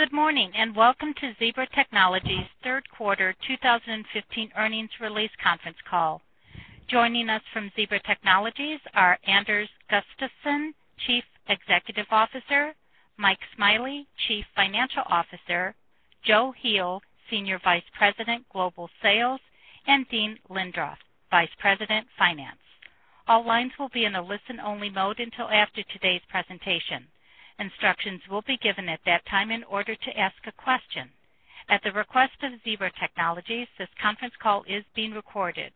Good morning, and welcome to Zebra Technologies' third quarter 2015 earnings release conference call. Joining us from Zebra Technologies are Anders Gustafsson, Chief Executive Officer; Mike Smiley, Chief Financial Officer; Joe Heel, Senior Vice President, Global Sales; and Dean Lindroth, Vice President, Finance. All lines will be in a listen-only mode until after today's presentation. Instructions will be given at that time in order to ask a question. At the request of Zebra Technologies, this conference call is being recorded.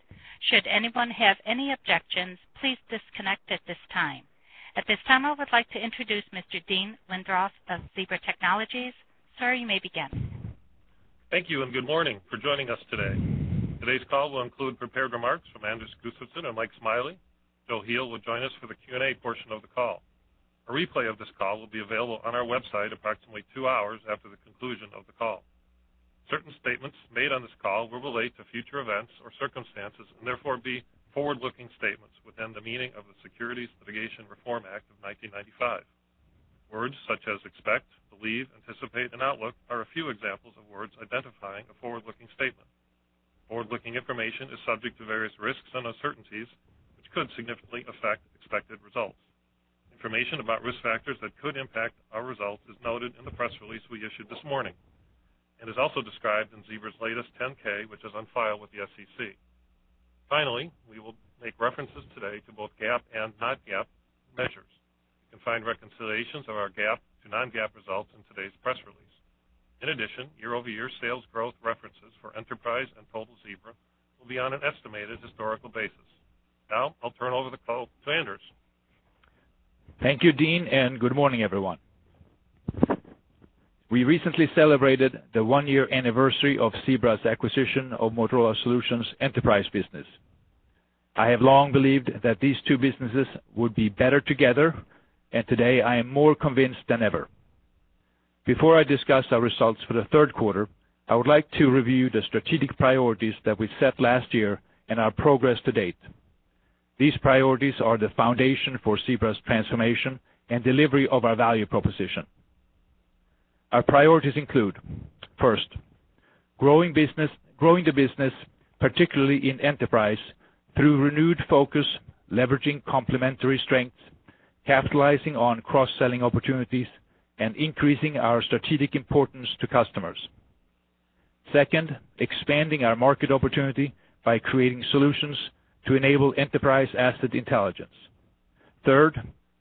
Should anyone have any objections, please disconnect at this time. At this time, I would like to introduce Mr. Dean Lindroth of Zebra Technologies. Sir, you may begin. Thank you, and good morning for joining us today. Today's call will include prepared remarks from Anders Gustafsson and Mike Smiley. Joe Heel will join us for the Q&A portion of the call. A replay of this call will be available on our website approximately two hours after the conclusion of the call. Certain statements made on this call will relate to future events or circumstances, and therefore, be forward-looking statements within the meaning of the Securities Litigation Reform Act of 1995. Words such as expect, believe, anticipate, and outlook are a few examples of words identifying a forward-looking statement. Forward-looking information is subject to various risks and uncertainties, which could significantly affect expected results. Information about risk factors that could impact our results is noted in the press release we issued this morning and is also described in Zebra's latest 10-K, which is on file with the SEC. Finally, we will make references today to both GAAP and non-GAAP measures. You can find reconciliations of our GAAP to non-GAAP results in today's press release. In addition, year-over-year sales growth references for Enterprise and total Zebra will be on an estimated historical basis. Now, I'll turn over the call to Anders. Thank you, Dean, and good morning, everyone. We recently celebrated the one-year anniversary of Zebra's acquisition of Motorola Solutions' Enterprise business. I have long believed that these two businesses would be better together, and today I am more convinced than ever. Before I discuss our results for the third quarter, I would like to review the strategic priorities that we set last year and our progress to date. These priorities are the foundation for Zebra's transformation and delivery of our value proposition. Our priorities include, first, growing the business, particularly in enterprise, through renewed focus, leveraging complementary strengths, capitalizing on cross-selling opportunities, and increasing our strategic importance to customers. Second, expanding our market opportunity by creating solutions to enable enterprise asset intelligence. Third,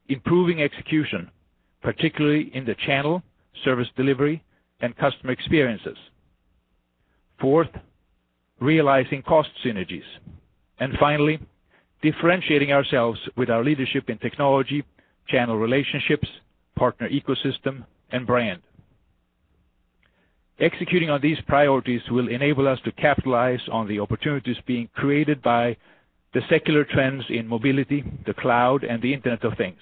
improving execution, particularly in the channel, service delivery, and customer experiences. Fourth, realizing cost synergies. Finally, differentiating ourselves with our leadership in technology, channel relationships, partner ecosystem, and brand. Executing on these priorities will enable us to capitalize on the opportunities being created by the secular trends in mobility, the cloud, and the Internet of Things.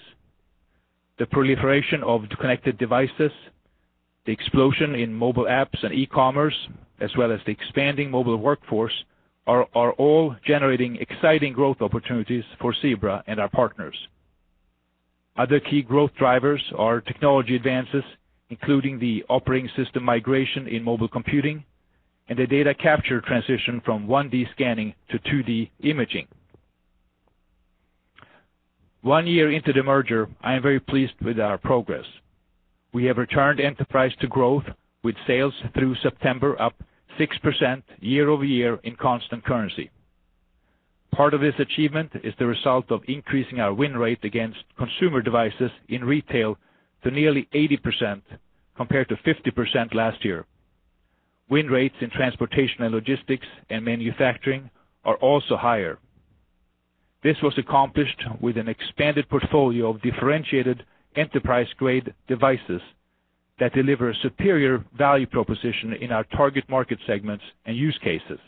The proliferation of connected devices, the explosion in mobile apps and e-commerce, as well as the expanding mobile workforce, are all generating exciting growth opportunities for Zebra and our partners. Other key growth drivers are technology advances, including the operating system migration in mobile computing and the data capture transition from 1D scanning to 2D imaging. One year into the merger, I am very pleased with our progress. We have returned Enterprise to growth, with sales through September up 6% year-over-year in constant currency. Part of this achievement is the result of increasing our win rate against consumer devices in retail to nearly 80%, compared to 50% last year. Win rates in transportation and logistics and manufacturing are also higher. This was accomplished with an expanded portfolio of differentiated enterprise-grade devices that deliver a superior value proposition in our target market segments and use cases.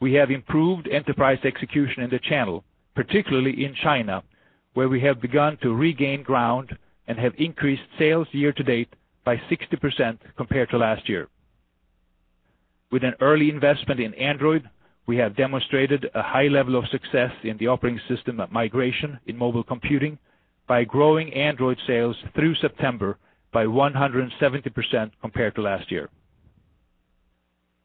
We have improved enterprise execution in the channel, particularly in China, where we have begun to regain ground and have increased sales year-to-date by 60% compared to last year. With an early investment in Android, we have demonstrated a high level of success in the operating system migration in mobile computing by growing Android sales through September by 170% compared to last year.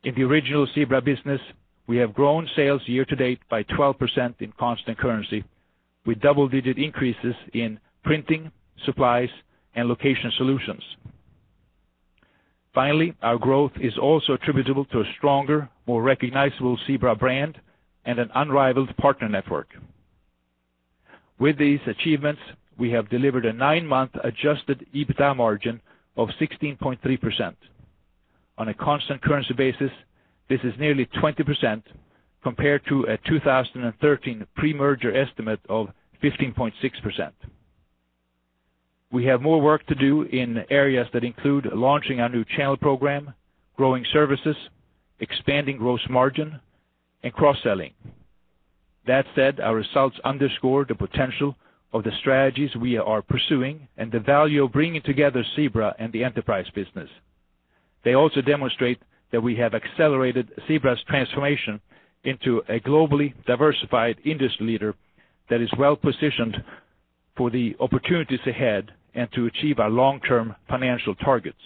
In the original Zebra business, we have grown sales year-to-date by 12% in constant currency, with double-digit increases in printing, supplies, and location solutions. Finally, our growth is also attributable to a stronger, more recognizable Zebra brand and an unrivaled partner network. With these achievements, we have delivered a nine-month adjusted EBITDA margin of 16.3%. On a constant currency basis, this is nearly 20% compared to a 2013 pre-merger estimate of 15.6%. We have more work to do in areas that include launching our new channel program, growing services, expanding gross margin, and cross-selling. That said, our results underscore the potential of the strategies we are pursuing and the value of bringing together Zebra and the Enterprise business. They also demonstrate that we have accelerated Zebra's transformation into a globally diversified industry leader that is well-positioned for the opportunities ahead and to achieve our long-term financial targets.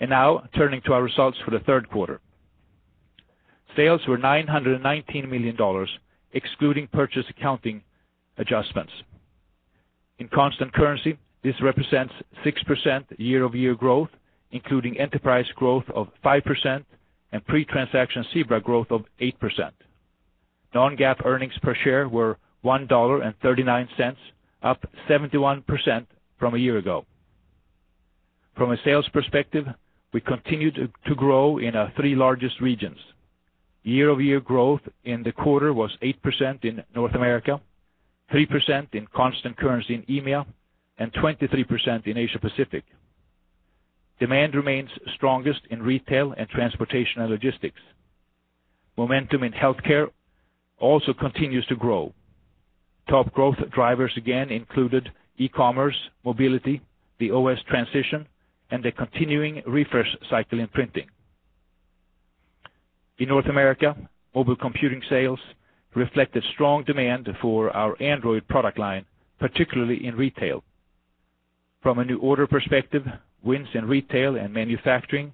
Now turning to our results for the third quarter. Sales were $919 million, excluding purchase accounting adjustments. In constant currency, this represents 6% year-over-year growth, including enterprise growth of 5% and pre-transaction Zebra growth of 8%. Non-GAAP earnings per share were $1.39, up 71% from a year ago. From a sales perspective, we continued to grow in our three largest regions. Year-over-year growth in the quarter was 8% in North America, 3% in constant currency in EMEA, and 23% in Asia Pacific. Demand remains strongest in retail and transportation and logistics. Momentum in healthcare also continues to grow. Top growth drivers again included e-commerce, mobility, the OS transition, and the continuing refresh cycle in printing. In North America, mobile computing sales reflected strong demand for our Android product line, particularly in retail. From a new order perspective, wins in retail and manufacturing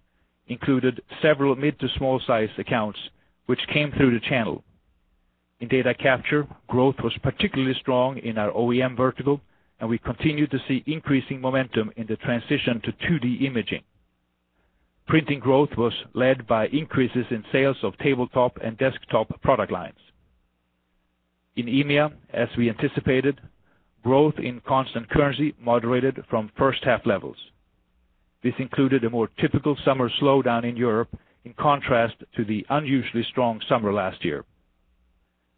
included several mid- to small-sized accounts, which came through the channel. In data capture, growth was particularly strong in our OEM vertical, and we continued to see increasing momentum in the transition to 2D imaging. Printing growth was led by increases in sales of tabletop and desktop product lines. In EMEA, as we anticipated, growth in constant currency moderated from first half levels. This included a more typical summer slowdown in Europe, in contrast to the unusually strong summer last year.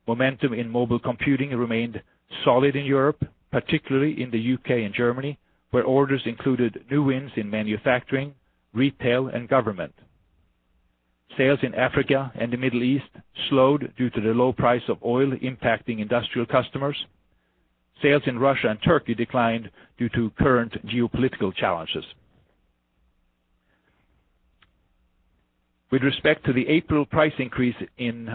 Momentum in mobile computing remained solid in Europe, particularly in the U.K. and Germany, where orders included new wins in manufacturing, retail, and government. Sales in Africa and the Middle East slowed due to the low price of oil impacting industrial customers. Sales in Russia and Turkey declined due to current geopolitical challenges. With respect to the April price increase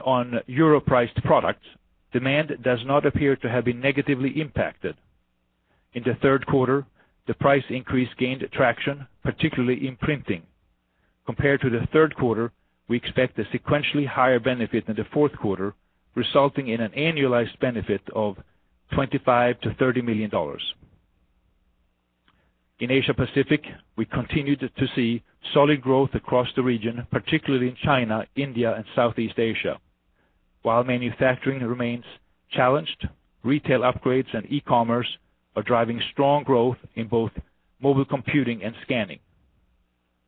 on euro-priced products, demand does not appear to have been negatively impacted. In the third quarter, the price increase gained traction, particularly in printing. Compared to the third quarter, we expect a sequentially higher benefit in the fourth quarter, resulting in an annualized benefit of $25 million-$30 million. In Asia Pacific, we continued to see solid growth across the region, particularly in China, India, and Southeast Asia. While manufacturing remains challenged, retail upgrades and e-commerce are driving strong growth in both mobile computing and scanning.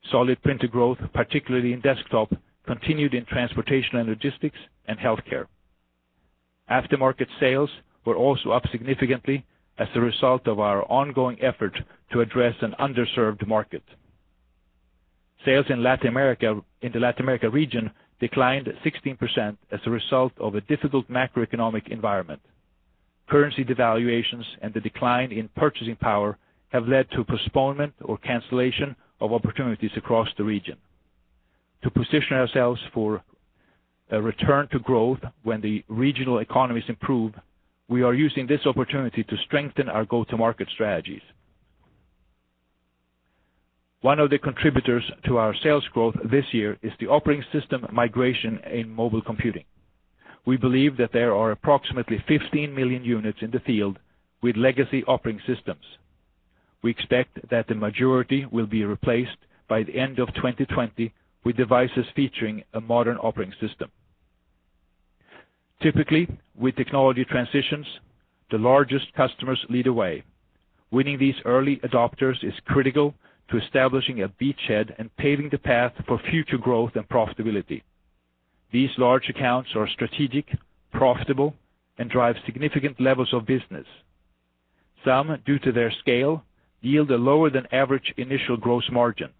Solid printer growth, particularly in desktop, continued in transportation and logistics and healthcare. Aftermarket sales were also up significantly as a result of our ongoing effort to address an underserved market. Sales in the Latin America region declined 16% as a result of a difficult macroeconomic environment. Currency devaluations and the decline in purchasing power have led to postponement or cancellation of opportunities across the region. To position ourselves for a return to growth when the regional economies improve, we are using this opportunity to strengthen our go-to-market strategies. One of the contributors to our sales growth this year is the operating system migration in mobile computing. We believe that there are approximately 15 million units in the field with legacy operating systems. We expect that the majority will be replaced by the end of 2020 with devices featuring a modern operating system. Typically, with technology transitions, the largest customers lead away. Winning these early adopters is critical to establishing a beachhead and paving the path for future growth and profitability. These large accounts are strategic, profitable, and drive significant levels of business. Some, due to their scale, yield a lower than average initial gross margin.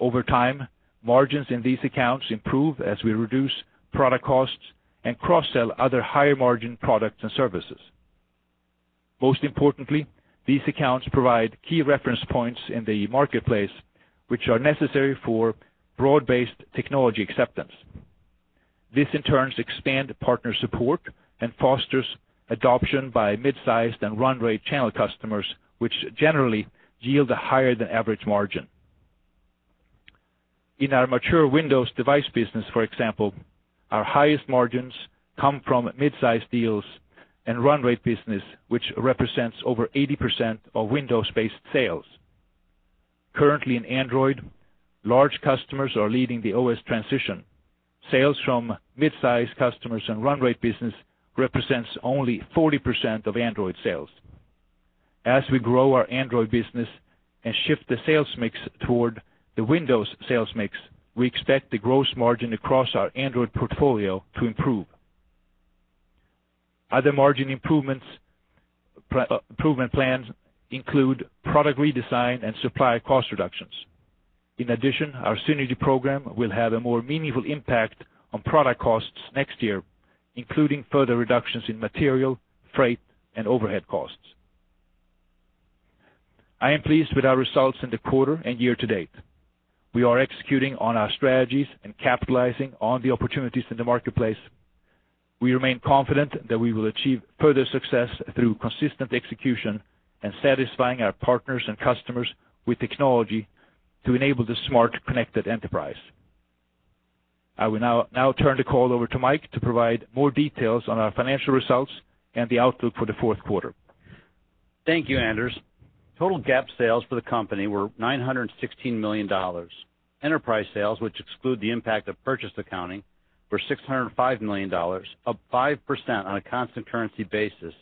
Over time, margins in these accounts improve as we reduce product costs and cross-sell other higher margin products and services. Most importantly, these accounts provide key reference points in the marketplace, which are necessary for broad-based technology acceptance. This in turn expands partner support and fosters adoption by mid-sized and run rate channel customers, which generally yield a higher than average margin. In our mature Windows device business, for example, our highest margins come from mid-sized deals and run rate business, which represents over 80% of Windows-based sales. Currently in Android, large customers are leading the OS transition. Sales from mid-sized customers and run rate business represents only 40% of Android sales. As we grow our Android business and shift the sales mix toward the Windows sales mix, we expect the gross margin across our Android portfolio to improve. Other margin improvement plans include product redesign and supply cost reductions. In addition, our synergy program will have a more meaningful impact on product costs next year, including further reductions in material, freight, and overhead costs. I am pleased with our results in the quarter and year to date. We are executing on our strategies and capitalizing on the opportunities in the marketplace. We remain confident that we will achieve further success through consistent execution and satisfying our partners and customers with technology to enable the smart, connected enterprise. I will now turn the call over to Michael Smiley to provide more details on our financial results and the outlook for the fourth quarter. Thank you, Anders. Total GAAP sales for the company were $916 million. Enterprise sales, which exclude the impact of purchase accounting, were $605 million, up 5% on a constant currency basis,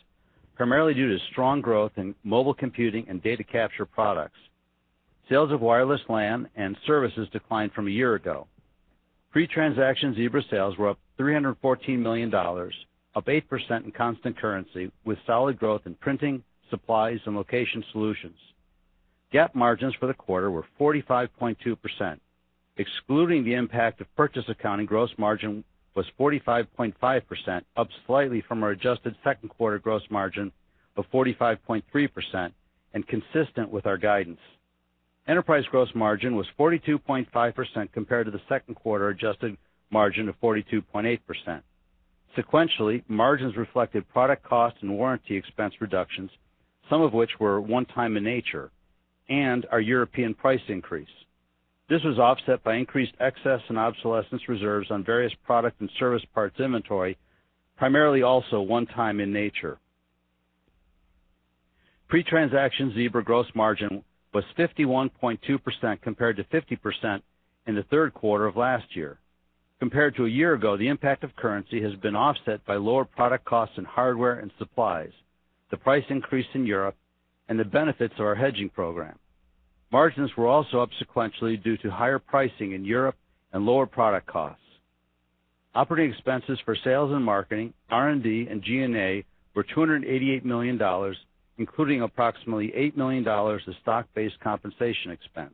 primarily due to strong growth in mobile computing and data capture products. Sales of wireless LAN and services declined from a year ago. Pre-transaction Zebra sales were up $314 million, up 8% in constant currency, with solid growth in printing, supplies, and location solutions. GAAP margins for the quarter were 45.2%. Excluding the impact of purchase accounting, gross margin was 45.5%, up slightly from our adjusted second quarter gross margin of 45.3% and consistent with our guidance. Enterprise gross margin was 42.5% compared to the second quarter-adjusted margin of 42.8%. Sequentially, margins reflected product cost and warranty expense reductions, some of which were one time in nature, and our European price increase. This was offset by increased excess and obsolescence reserves on various product and service parts inventory, primarily also one time in nature. Pre-transaction Zebra gross margin was 51.2% compared to 50% in the third quarter of last year. Compared to a year ago, the impact of currency has been offset by lower product costs in hardware and supplies, the price increase in Europe, and the benefits of our hedging program. Margins were also up sequentially due to higher pricing in Europe and lower product costs. Operating expenses for sales and marketing, R&D, and G&A were $288 million, including approximately $8 million of stock-based compensation expense.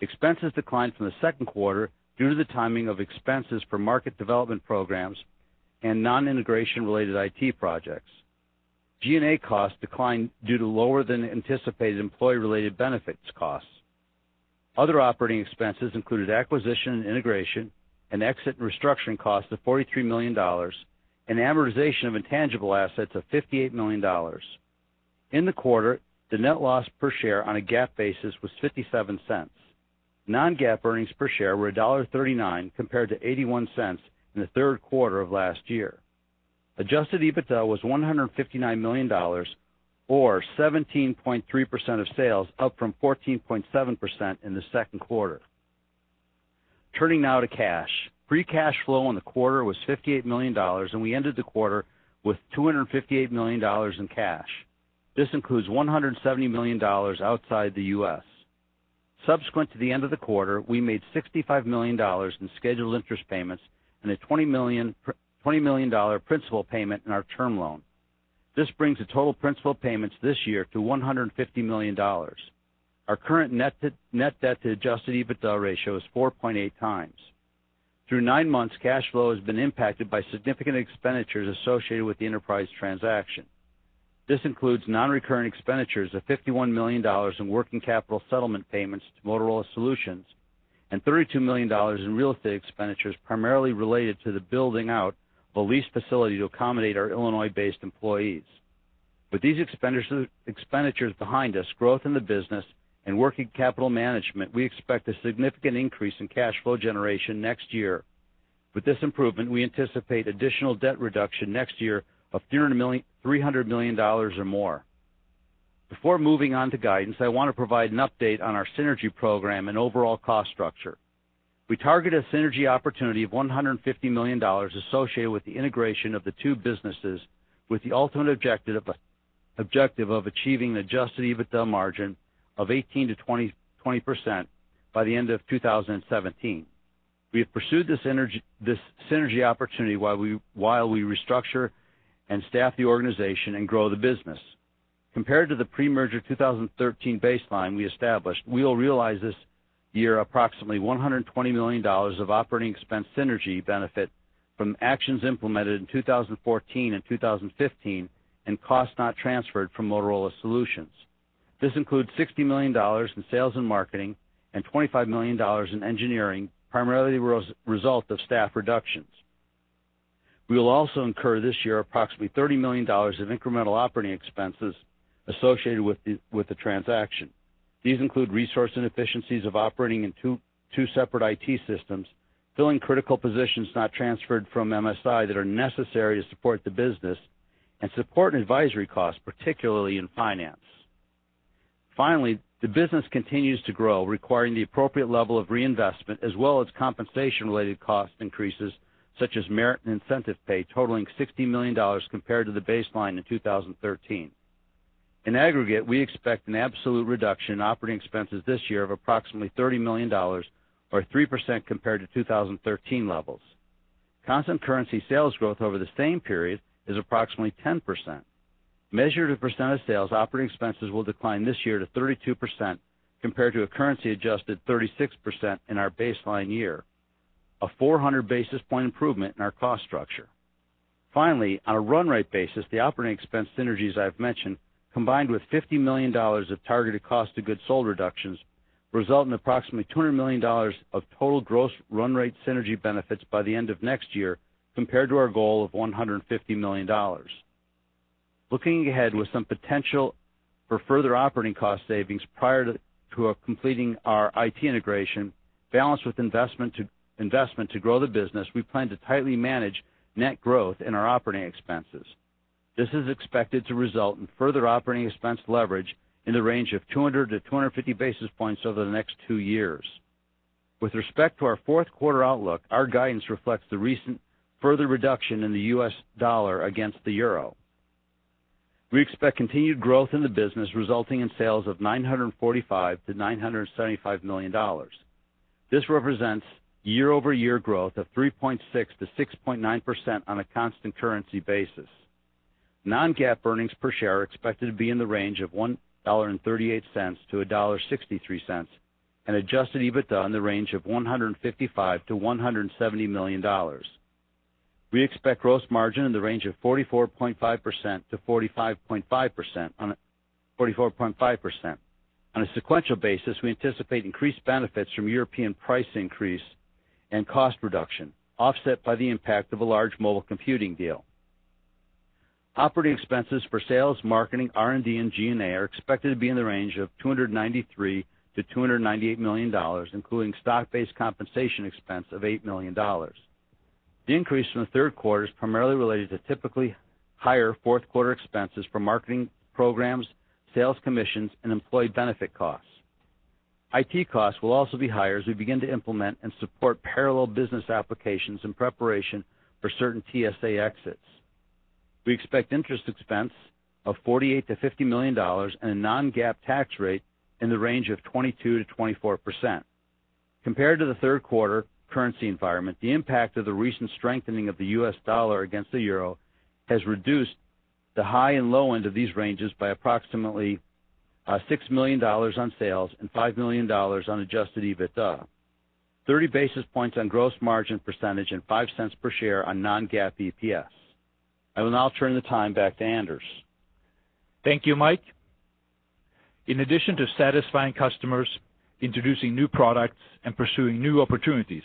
Expenses declined from the second quarter due to the timing of expenses for market development programs and non-integration related IT projects. G&A costs declined due to lower than anticipated employee-related benefits costs. Other operating expenses included acquisition and integration and exit and restructuring costs of $43 million and amortization of intangible assets of $58 million. In the quarter, the net loss per share on a GAAP basis was $0.57. Non-GAAP earnings per share were $1.39, compared to $0.81 in the third quarter of last year. Adjusted EBITDA was $159 million, or 17.3% of sales, up from 14.7% in the second quarter. Turning now to cash. Free cash flow in the quarter was $58 million, and we ended the quarter with $258 million in cash. This includes $170 million outside the U.S. Subsequent to the end of the quarter, we made $65 million in scheduled interest payments and a $20 million principal payment in our term loan. This brings the total principal payments this year to $150 million. Our current net debt to adjusted EBITDA ratio is 4.8 times. Through nine months, cash flow has been impacted by significant expenditures associated with the Enterprise transaction. This includes non-recurring expenditures of $51 million in working capital settlement payments to Motorola Solutions and $32 million in real estate expenditures, primarily related to the building out of a leased facility to accommodate our Illinois-based employees. With these expenditures behind us, growth in the business, and working capital management, we expect a significant increase in cash flow generation next year. With this improvement, we anticipate additional debt reduction next year of $300 million or more. Before moving on to guidance, I want to provide an update on our synergy program and overall cost structure. We target a synergy opportunity of $150 million associated with the integration of the two businesses, with the ultimate objective of achieving an adjusted EBITDA margin of 18%-20% by the end of 2017. We have pursued this synergy opportunity while we restructure and staff the organization and grow the business. Compared to the pre-merger 2013 baseline we established, we will realize this year approximately $120 million of operating expense synergy benefit from actions implemented in 2014 and 2015, and costs not transferred from Motorola Solutions. This includes $60 million in sales and marketing and $25 million in engineering, primarily result of staff reductions. We will also incur this year approximately $30 million of incremental operating expenses associated with the transaction. These include resource inefficiencies of operating in two separate IT systems, filling critical positions not transferred from MSI that are necessary to support the business, and support and advisory costs, particularly in finance. Finally, the business continues to grow, requiring the appropriate level of reinvestment as well as compensation-related cost increases such as merit and incentive pay, totaling $16 million compared to the baseline in 2013. In aggregate, we expect an absolute reduction in operating expenses this year of approximately $30 million, or 3% compared to 2013 levels. Constant currency sales growth over the same period is approximately 10%. Measured a percent of sales, operating expenses will decline this year to 32%, compared to a currency-adjusted 36% in our baseline year, a 400 basis point improvement in our cost structure. Finally, on a run rate basis, the operating expense synergies I've mentioned, combined with $50 million of targeted cost of goods sold reductions, result in approximately $200 million of total gross run rate synergy benefits by the end of next year, compared to our goal of $150 million. Looking ahead with some potential for further operating cost savings prior to completing our IT integration, balanced with investment to grow the business, we plan to tightly manage net growth in our operating expenses. This is expected to result in further operating expense leverage in the range of 200-250 basis points over the next two years. With respect to our fourth quarter outlook, our guidance reflects the recent further reduction in the U.S. dollar against the euro. We expect continued growth in the business, resulting in sales of $945 million-$975 million. This represents year-over-year growth of 3.6%-6.9% on a constant currency basis. Non-GAAP earnings per share are expected to be in the range of $1.38-$1.63, and adjusted EBITDA in the range of $155 million-$170 million. We expect gross margin in the range of 44.5%-45.5%. On a sequential basis, we anticipate increased benefits from European price increase and cost reduction, offset by the impact of a large mobile computing deal. Operating expenses for sales, marketing, R&D, and G&A are expected to be in the range of $293 million-$298 million, including stock-based compensation expense of $8 million. The increase from the third quarter is primarily related to typically higher fourth quarter expenses for marketing programs, sales commissions, and employee benefit costs. IT costs will also be higher as we begin to implement and support parallel business applications in preparation for certain TSA exits. We expect interest expense of $48 million-$50 million, and a non-GAAP tax rate in the range of 22%-24%. Compared to the third quarter currency environment, the impact of the recent strengthening of the US dollar against the EUR has reduced the high and low end of these ranges by approximately $6 million on sales and $5 million on adjusted EBITDA, 30 basis points on gross margin percentage and $0.05 per share on non-GAAP EPS. I will now turn the time back to Anders. Thank you, Mike. In addition to satisfying customers, introducing new products, and pursuing new opportunities,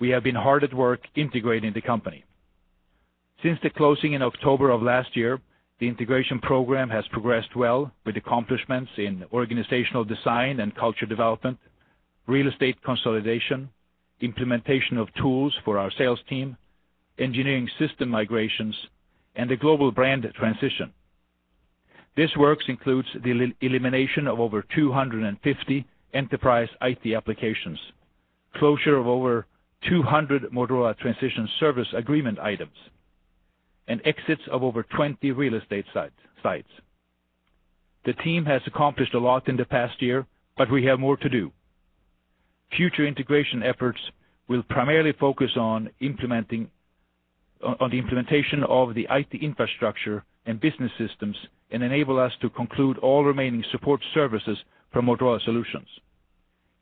we have been hard at work integrating the company. Since the closing in October of last year, the integration program has progressed well, with accomplishments in organizational design and culture development, real estate consolidation, implementation of tools for our sales team, engineering system migrations, and a global brand transition. This work includes the elimination of over 250 enterprise IT applications, closure of over 200 Motorola transition service agreement items, and exits of over 20 real estate sites. The team has accomplished a lot in the past year, but we have more to do. Future integration efforts will primarily focus on the implementation of the IT infrastructure and business systems and enable us to conclude all remaining support services from Motorola Solutions.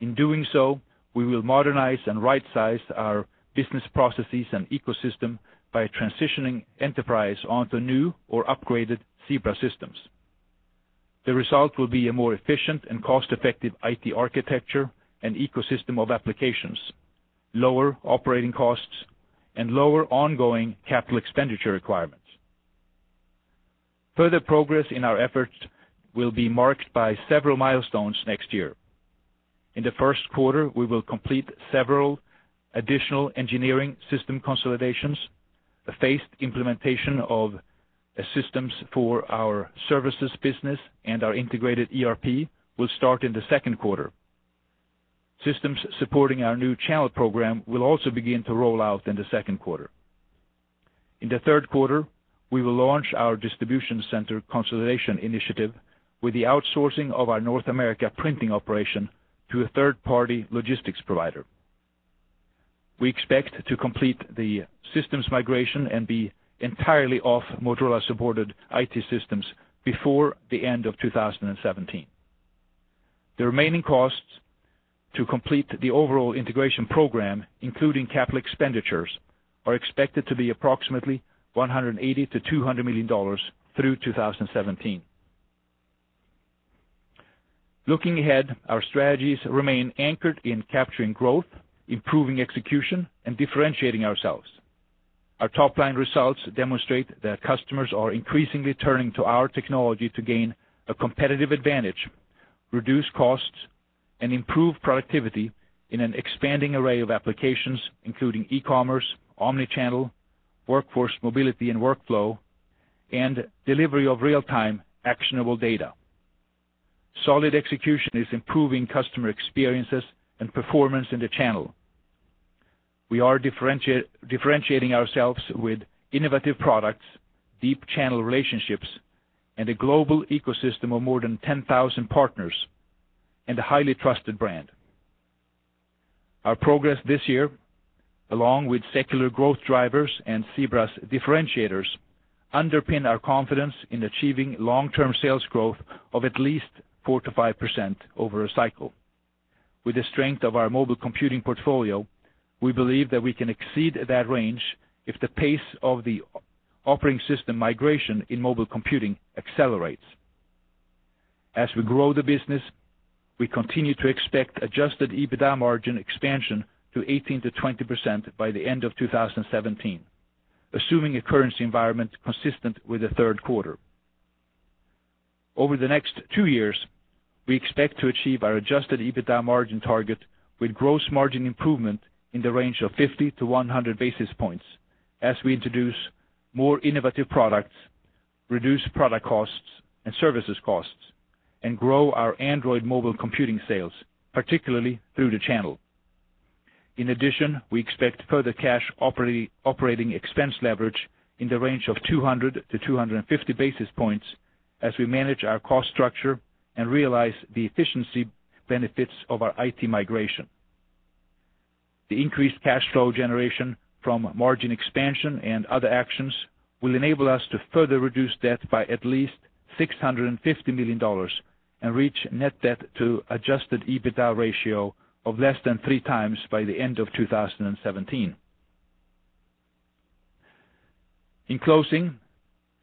In doing so, we will modernize and right-size our business processes and ecosystem by transitioning enterprise onto new or upgraded Zebra systems. The result will be a more efficient and cost-effective IT architecture and ecosystem of applications, lower operating costs, and lower ongoing capital expenditure requirements. Further progress in our efforts will be marked by several milestones next year. In the first quarter, we will complete several additional engineering system consolidations. A phased implementation of systems for our services business and our integrated ERP will start in the second quarter. Systems supporting our new channel program will also begin to roll out in the second quarter. In the third quarter, we will launch our distribution center consolidation initiative with the outsourcing of our North America printing operation to a third-party logistics provider. We expect to complete the systems migration and be entirely off Motorola-supported IT systems before the end of 2017. The remaining costs to complete the overall integration program, including capital expenditures, are expected to be approximately $180 million-$200 million through 2017. Looking ahead, our strategies remain anchored in capturing growth, improving execution, and differentiating ourselves. Our top-line results demonstrate that customers are increasingly turning to our technology to gain a competitive advantage, reduce costs, and improve productivity in an expanding array of applications, including e-commerce, omni-channel, workforce mobility and workflow, and delivery of real-time actionable data. Solid execution is improving customer experiences and performance in the channel. We are differentiating ourselves with innovative products, deep channel relationships, and a global ecosystem of more than 10,000 partners. A highly trusted brand. Our progress this year, along with secular growth drivers and Zebra's differentiators, underpin our confidence in achieving long-term sales growth of at least 4%-5% over a cycle. With the strength of our mobile computing portfolio, we believe that we can exceed that range if the pace of the operating system migration in mobile computing accelerates. As we grow the business, we continue to expect adjusted EBITDA margin expansion to 18%-20% by the end of 2017, assuming a currency environment consistent with the third quarter. Over the next two years, we expect to achieve our adjusted EBITDA margin target with gross margin improvement in the range of 50 to 100 basis points as we introduce more innovative products, reduce product costs and services costs, and grow our Android mobile computing sales, particularly through the channel. In addition, we expect further cash operating expense leverage in the range of 200 to 250 basis points as we manage our cost structure and realize the efficiency benefits of our IT migration. The increased cash flow generation from margin expansion and other actions will enable us to further reduce debt by at least $650 million and reach net debt to adjusted EBITDA ratio of less than three times by the end of 2017. In closing,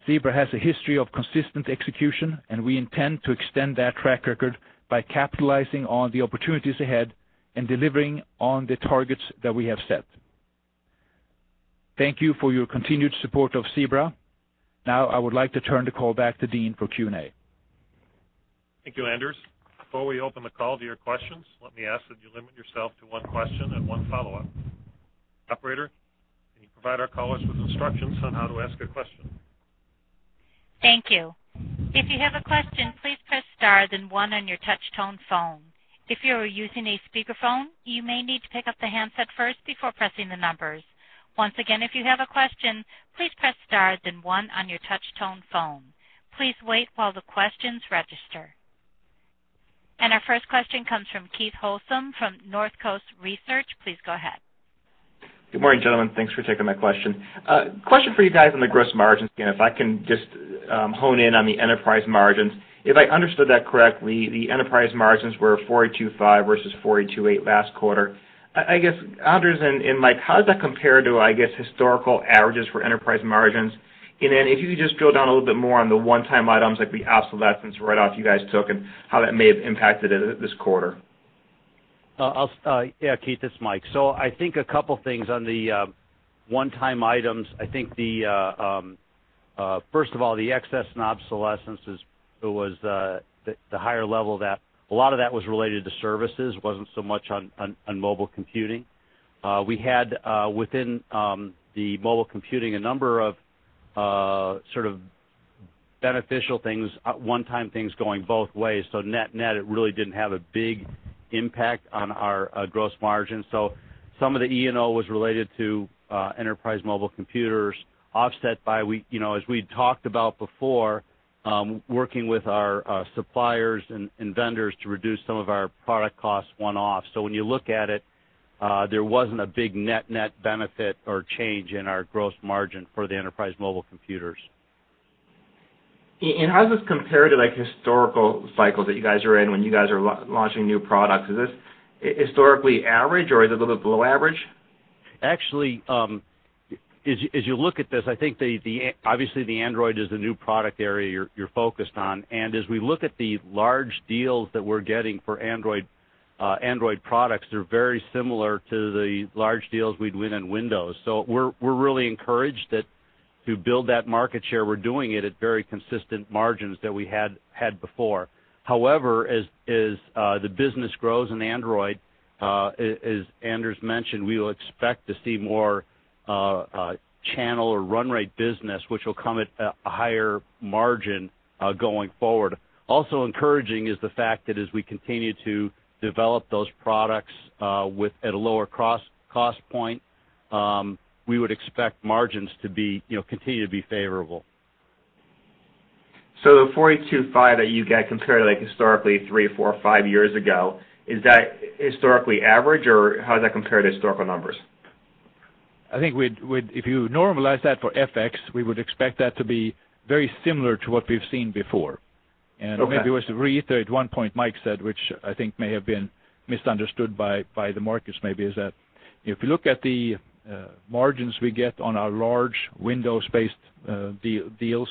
Zebra has a history of consistent execution, and we intend to extend that track record by capitalizing on the opportunities ahead and delivering on the targets that we have set. Thank you for your continued support of Zebra. Now, I would like to turn the call back to Dean for Q&A. Thank you, Anders. Before we open the call to your questions, let me ask that you limit yourself to one question and one follow-up. Operator, can you provide our callers with instructions on how to ask a question? Thank you. If you have a question, please press star then one on your touch-tone phone. If you are using a speakerphone, you may need to pick up the handset first before pressing the numbers. Once again, if you have a question, please press star then one on your touch-tone phone. Please wait while the questions register. Our first question comes from Keith Housum from Northcoast Research. Please go ahead. Good morning, gentlemen. Thanks for taking my question. Question for you guys on the gross margins. If I can just hone in on the enterprise margins. If I understood that correctly, the enterprise margins were 42.5% versus 42.8% last quarter. I guess, Anders and Mike, how does that compare to, I guess, historical averages for enterprise margins? Then if you could just drill down a little bit more on the one-time items, like the obsolescence write-off you guys took and how that may have impacted it this quarter? Keith, it's Mike. I think a couple things on the one-time items. First of all, the excess and obsolescence, a lot of that was related to services, wasn't so much on mobile computing. We had, within the mobile computing, a number of sort of beneficial things, one-time things going both ways. Net-net, it really didn't have a big impact on our gross margin. Some of the E&O was related to enterprise mobile computers offset by, as we'd talked about before, working with our suppliers and vendors to reduce some of our product costs one-off. When you look at it, there wasn't a big net-net benefit or change in our gross margin for the enterprise mobile computers. How does this compare to historical cycles that you guys are in when you guys are launching new products? Is this historically average or is it a little bit below average? Actually, as you look at this, I think obviously the Android is the new product area you're focused on. As we look at the large deals that we're getting for Android products, they're very similar to the large deals we'd win in Windows. We're really encouraged that to build that market share, we're doing it at very consistent margins that we had before. However, as the business grows in Android, as Anders mentioned, we will expect to see more channel or run rate business, which will come at a higher margin going forward. Also encouraging is the fact that as we continue to develop those products at a lower cost point, we would expect margins to continue to be favorable. The 42.5 that you get compared to historically three, four, five years ago, is that historically average, or how does that compare to historical numbers? I think if you normalize that for FX, we would expect that to be very similar to what we've seen before. Okay. Maybe to reiterate one point Mike said, which I think may have been misunderstood by the markets maybe, is that if you look at the margins we get on our large Windows-based deals,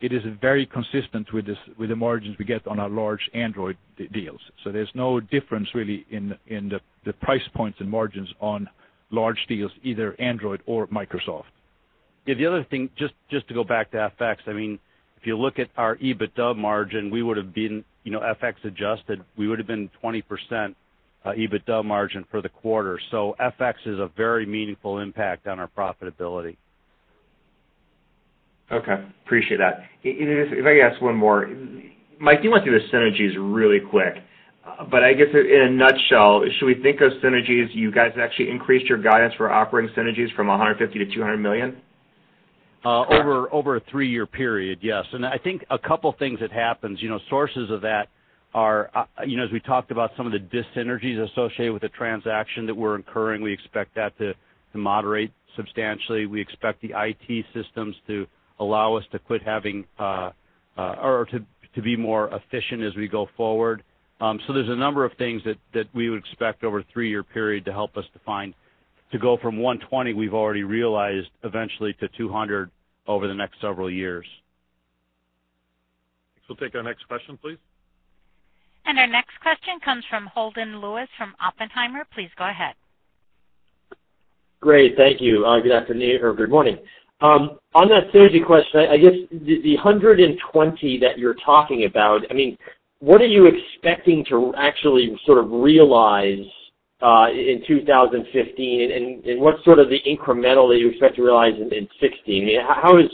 it is very consistent with the margins we get on our large Android deals. There's no difference really in the price points and margins on large deals, either Android or Microsoft. the other thing, just to go back to FX, if you look at our EBITDA margin, FX adjusted, we would've been 20% EBITDA margin for the quarter. FX is a very meaningful impact on our profitability. Okay. Appreciate that. If I could ask one more. Mike, you went through the synergies really quick, I guess in a nutshell, should we think of synergies, you guys actually increased your guidance for operating synergies from $150 million to $200 million? Over a three-year period, yes. I think a couple things that happens, sources of that are, as we talked about some of the dyssynergies associated with the transaction that we're incurring, we expect that to moderate substantially. We expect the IT systems to allow us to be more efficient as we go forward. There's a number of things that we would expect over a three-year period to help us to go from $120 we've already realized eventually to $200 over the next several years. We'll take our next question, please. Our next question comes from Holden Lewis from Oppenheimer. Please go ahead. Great. Thank you. Good afternoon, or good morning. On that synergy question, I guess the $120 that you're talking about, what are you expecting to actually sort of realize in 2015? What's sort of the incremental that you expect to realize in 2016? How is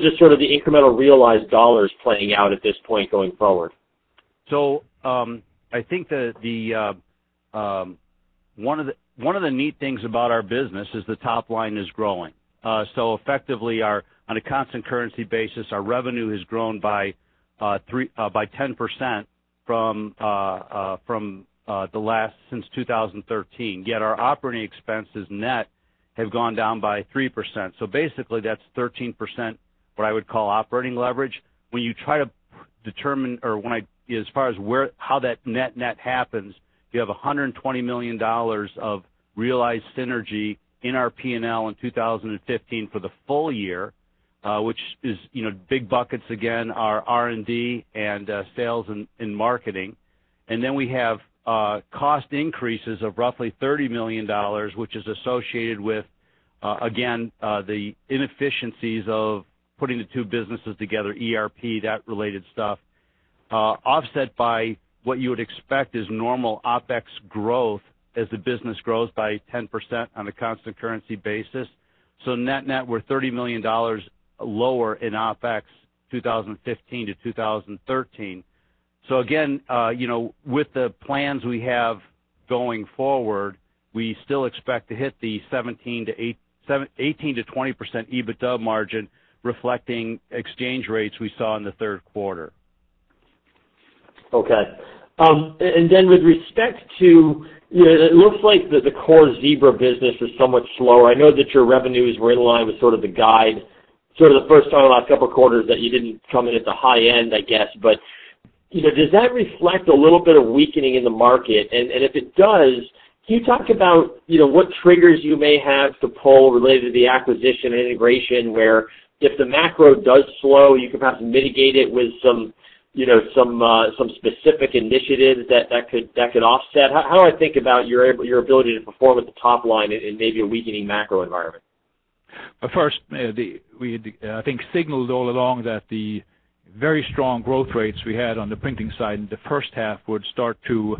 the sort of the incremental realized dollars playing out at this point going forward? I think one of the neat things about our business is the top line is growing. Effectively, on a constant currency basis, our revenue has grown by 10% since 2013, yet our operating expenses net have gone down by 3%. Basically that's 13%, what I would call operating leverage. When you try to determine, or as far as how that net happens, you have $120 million of realized synergy in our P&L in 2015 for the full year, which is big buckets again, our R&D and sales and marketing. Then we have cost increases of roughly $30 million, which is associated with, again, the inefficiencies of putting the two businesses together, ERP, that related stuff, offset by what you would expect is normal OpEx growth as the business grows by 10% on a constant currency basis. Net, we're $30 million lower in OpEx 2015 to 2013. Again, with the plans we have going forward, we still expect to hit the 18%-20% EBITDA margin reflecting exchange rates we saw in the third quarter. Okay. Then with respect to, it looks like the core Zebra business is somewhat slower. I know that your revenues were in line with sort of the guide, sort of the first time in the last couple of quarters that you didn't come in at the high end, I guess. Does that reflect a little bit of weakening in the market? If it does, can you talk about what triggers you may have to pull related to the acquisition and integration, where if the macro does slow, you can perhaps mitigate it with some specific initiatives that could offset? How do I think about your ability to perform at the top line in maybe a weakening macro environment? First, we had, I think, signaled all along that the very strong growth rates we had on the printing side in the first half would start to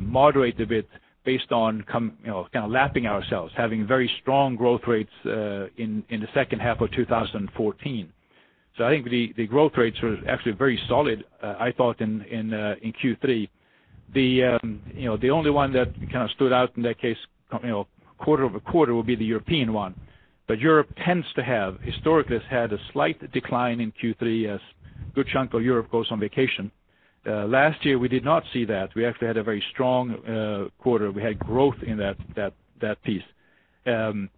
moderate a bit based on kind of lapping ourselves, having very strong growth rates, in the second half of 2014. I think the growth rates were actually very solid, I thought, in Q3. The only one that kind of stood out in that case, quarter-over-quarter would be the European one. Europe tends to have, historically has had a slight decline in Q3 as good chunk of Europe goes on vacation. Last year, we did not see that. We actually had a very strong quarter. We had growth in that piece. We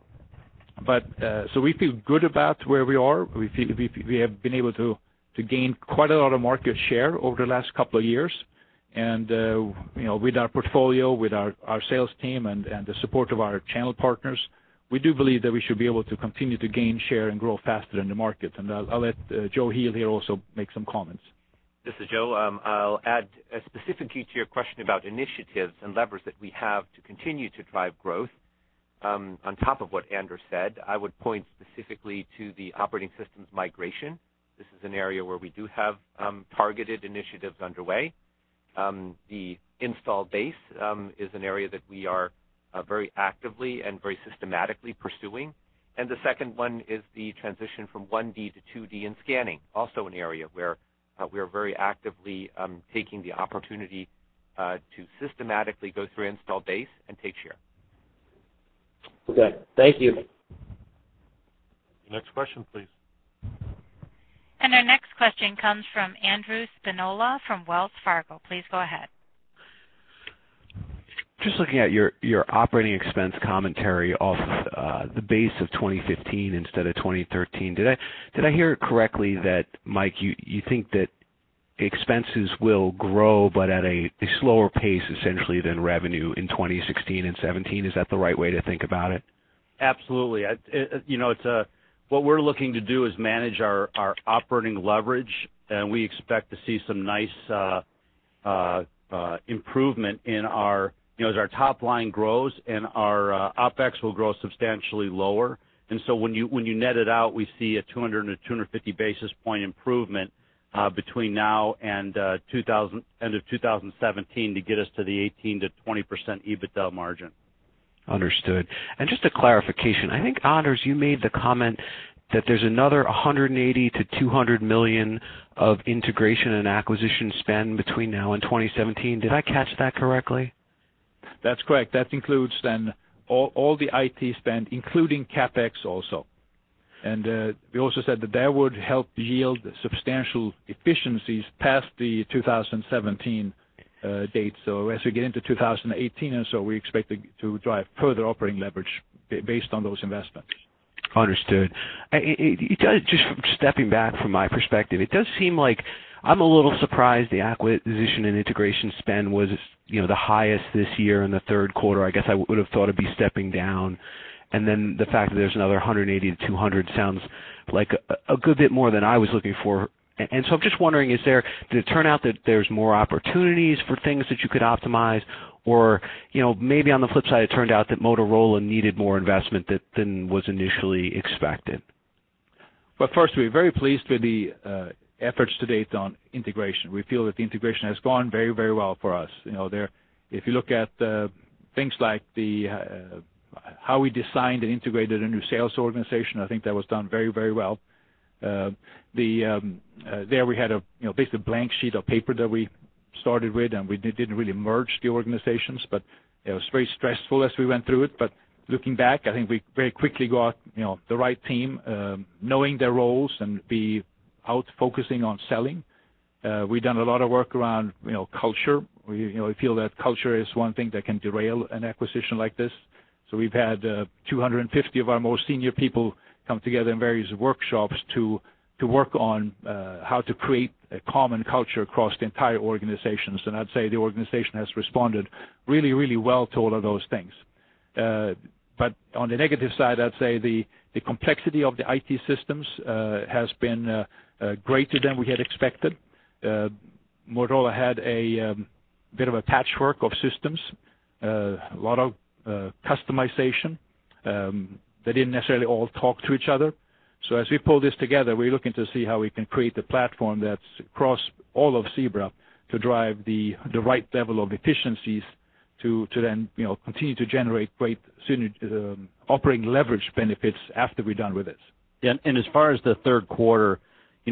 feel good about where we are. We have been able to gain quite a lot of market share over the last couple of years. With our portfolio, with our sales team and the support of our channel partners, we do believe that we should be able to continue to gain share and grow faster in the market. I'll let Joachim Heel here also make some comments. This is Joe. I'll add specifically to your question about initiatives and levers that we have to continue to drive growth. On top of what Anders said, I would point specifically to the operating systems migration. This is an area where we do have targeted initiatives underway. The install base is an area that we are very actively and very systematically pursuing. The second one is the transition from 1D to 2D in scanning. Also, an area where we're very actively taking the opportunity to systematically go through install base and take share. Okay. Thank you. Next question, please. Our next question comes from Andrew Spinola from Wells Fargo. Please go ahead. Just looking at your operating expense commentary off the base of 2015 instead of 2013, did I hear it correctly that, Mike, you think that expenses will grow but at a slower pace essentially than revenue in 2016 and 2017? Is that the right way to think about it? Absolutely. What we're looking to do is manage our operating leverage. We expect to see some nice improvement as our top line grows. Our OpEx will grow substantially lower. When you net it out, we see a 200 to 250 basis point improvement between now and end of 2017 to get us to the 18% to 20% EBITDA margin. Understood. Just a clarification, I think, Anders, you made the comment that there's another $180 million to $200 million of integration and acquisition spend between now and 2017. Did I catch that correctly? That's correct. That includes then all the IT spend, including CapEx also. We also said that that would help yield substantial efficiencies past the 2017 date. As we get into 2018 and so, we expect to drive further operating leverage based on those investments. Understood. Just stepping back from my perspective, it does seem like I'm a little surprised the acquisition and integration spend was the highest this year in the third quarter. I guess I would have thought it'd be stepping down. The fact that there's another $180-$200 sounds like a good bit more than I was looking for. I'm just wondering, did it turn out that there's more opportunities for things that you could optimize? Maybe on the flip side, it turned out that Motorola needed more investment than was initially expected. First, we're very pleased with the efforts to date on integration. We feel that the integration has gone very well for us. If you look at things like how we designed and integrated a new sales organization, I think that was done very well. There we had basically a blank sheet of paper that we started with, we didn't really merge the organizations, it was very stressful as we went through it. Looking back, I think we very quickly got the right team, knowing their roles and be out focusing on selling. We've done a lot of work around culture. We feel that culture is one thing that can derail an acquisition like this. We've had 250 of our most senior people come together in various workshops to work on how to create a common culture across the entire organization. I'd say the organization has responded really well to all of those things. On the negative side, I'd say the complexity of the IT systems has been greater than we had expected. Motorola had a bit of a patchwork of systems, a lot of customization. They didn't necessarily all talk to each other. As we pull this together, we're looking to see how we can create a platform that's across all of Zebra to drive the right level of efficiencies to then continue to generate great synergy, operating leverage benefits after we're done with this. As far as the third quarter,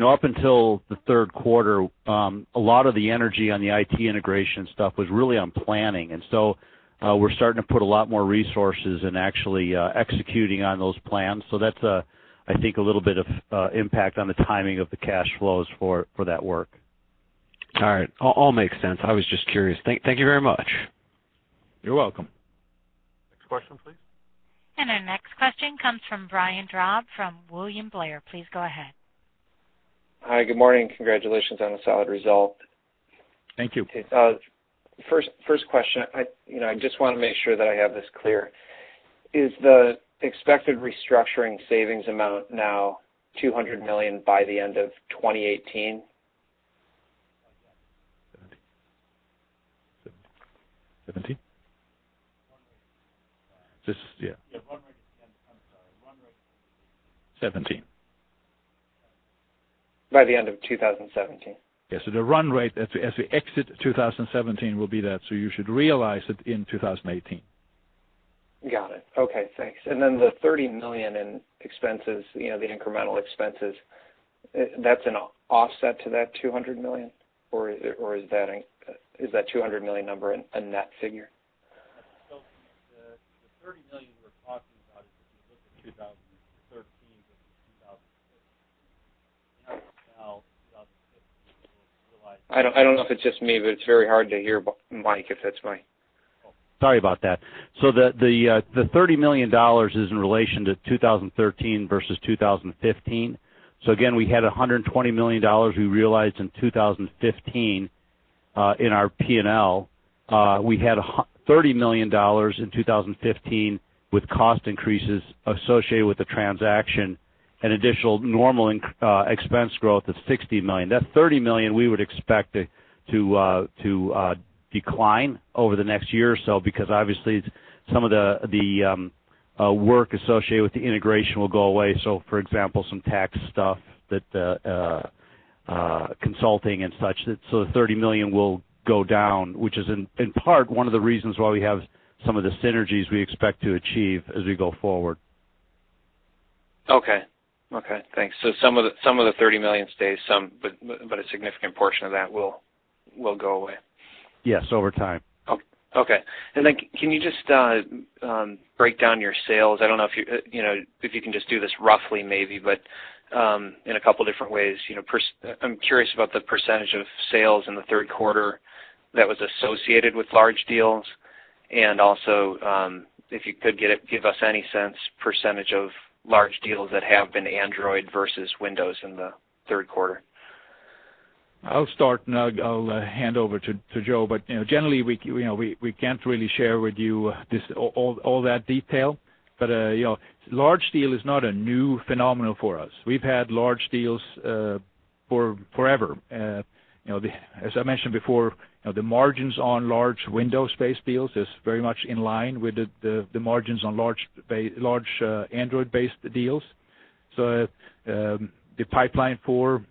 up until the third quarter, a lot of the energy on the IT integration stuff was really on planning. We're starting to put a lot more resources and actually executing on those plans. That's, I think, a little bit of impact on the timing of the cash flows for that work. All right. All makes sense. I was just curious. Thank you very much. You're welcome. Next question, please. Our next question comes from Brian Drab from William Blair. Please go ahead. Hi, good morning. Congratulations on the solid result. Thank you. Okay. First question. I just want to make sure that I have this clear. Is the expected restructuring savings amount now $200 million by the end of 2018? '17. '17. This, yeah. Yeah, run rate again. I'm sorry, run rate. '17. By the end of 2017? Yes. The run rate as we exit 2017 will be that, so you should realize it in 2018. Got it. Okay, thanks. The $30 million in expenses, the incremental expenses, that's an offset to that $200 million, or is that $200 million number a net figure? The $30 million we're talking about is if you look at 2013 versus 2015. Now, 2015, we realized- I don't know if it's just me, but it's very hard to hear Mike, if that's Mike. Sorry about that. The $30 million is in relation to 2013 versus 2015. Again, we had $120 million we realized in 2015, in our P&L. We had $30 million in 2015 with cost increases associated with the transaction, an additional normal expense growth of $60 million. That $30 million we would expect to decline over the next year or so, because obviously some of the work associated with the integration will go away. For example, some tax stuff, consulting and such. The $30 million will go down, which is in part one of the reasons why we have some of the synergies we expect to achieve as we go forward. Okay. Thanks. Some of the $30 million stays, a significant portion of that will go away. Yes, over time. Okay. Can you just break down your sales? I don't know if you can just do this roughly maybe, but in a couple different ways. I'm curious about the % of sales in the third quarter that was associated with large deals, also, if you could give us any sense, % of large deals that have been Android versus Windows in the third quarter. I'll start, and I'll hand over to Joe. Generally, we can't really share with you all that detail. Large deal is not a new phenomenon for us. We've had large deals forever. As I mentioned before, the margins on large Windows-based deals is very much in line with the margins on large Android-based deals. The pipeline for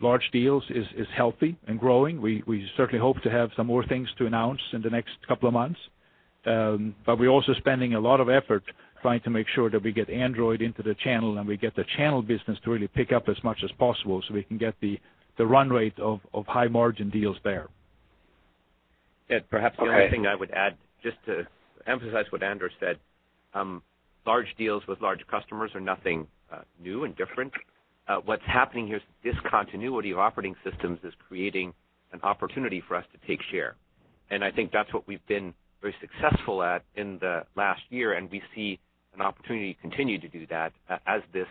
large deals is healthy and growing. We certainly hope to have some more things to announce in the next couple of months. We're also spending a lot of effort trying to make sure that we get Android into the channel, and we get the channel business to really pick up as much as possible so we can get the run rate of high margin deals there. Perhaps the only thing I would add, just to emphasize what Anders said, large deals with large customers are nothing new and different. What's happening here is this continuity of operating systems is creating an opportunity for us to take share. I think that's what we've been very successful at in the last year, and we see an opportunity to continue to do that as this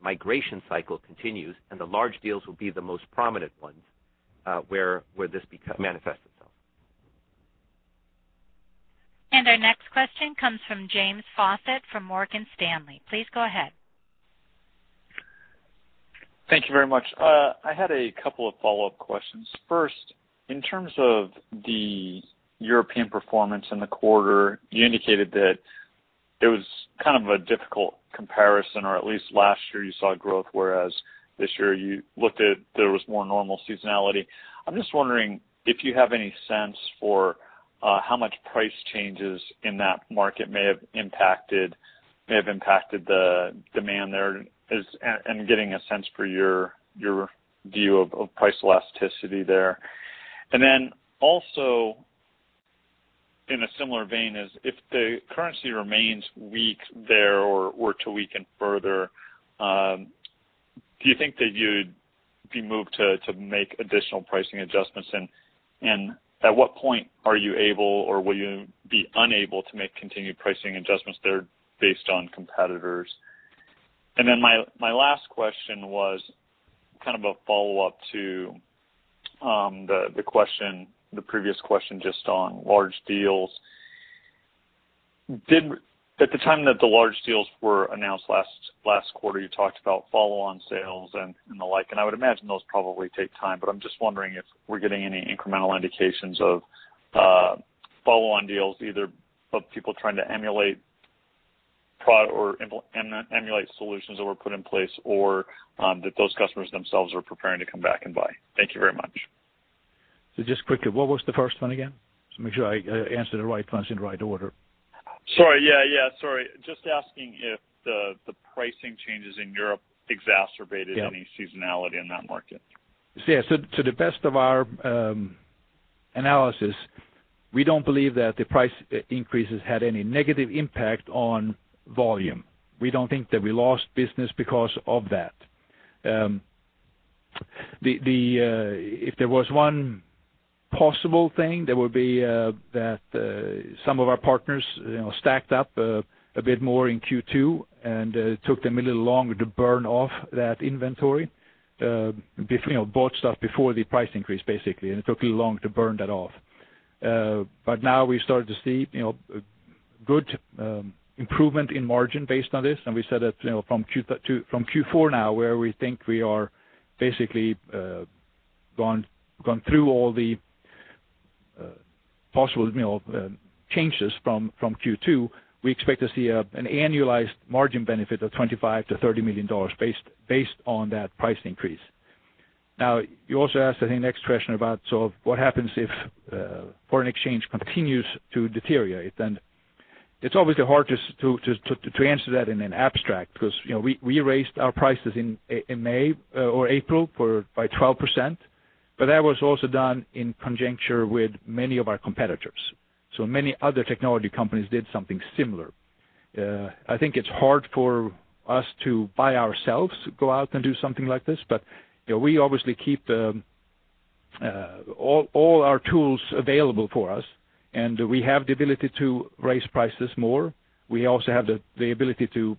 migration cycle continues, and the large deals will be the most prominent ones where this manifests itself. Our next question comes from James Faucette from Morgan Stanley. Please go ahead. Thank you very much. I had a couple of follow-up questions. First, in terms of the European performance in the quarter, you indicated that it was kind of a difficult comparison, or at least last year you saw growth, whereas this year there was more normal seasonality. I'm just wondering if you have any sense for how much price changes in that market may have impacted the demand there, and getting a sense for your view of price elasticity there. Also, if the currency remains weak there or were to weaken further, do you think that you'd be moved to make additional pricing adjustments? At what point are you able, or will you be unable to make continued pricing adjustments there based on competitors? My last question was kind of a follow-up to the previous question just on large deals. At the time that the large deals were announced last quarter, you talked about follow-on sales and the like, and I would imagine those probably take time. I'm just wondering if we're getting any incremental indications of follow-on deals, either of people trying to emulate product or emulate solutions that were put in place, or that those customers themselves are preparing to come back and buy. Thank you very much. Just quickly, what was the first one again? Just to make sure I answer the right ones in the right order. Sorry. Yeah. Just asking if the pricing changes in Europe exacerbated any seasonality in that market. Yes. To the best of our analysis, we don't believe that the price increases had any negative impact on volume. We don't think that we lost business because of that. If there was one possible thing, that would be that some of our partners stacked up a bit more in Q2, and it took them a little longer to burn off that inventory. Bought stuff before the price increase, basically, and it took a little longer to burn that off. Now we've started to see good improvement in margin based on this, and we said that from Q4 now, where we think we are basically gone through all the possible changes from Q2, we expect to see an annualized margin benefit of $25 million-$30 million based on that price increase. You also asked, I think, next question about what happens if foreign exchange continues to deteriorate, and it's obviously hard to answer that in an abstract, because we raised our prices in May or April by 12%, that was also done in conjecture with many of our competitors. Many other technology companies did something similar. I think it's hard for us to, by ourselves, go out and do something like this, we obviously keep all our tools available for us, and we have the ability to raise prices more. We also have the ability to